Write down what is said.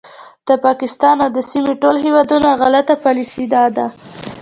د پاکستان او د سیمې ټولو هیوادونو غلطه پالیسي دا ده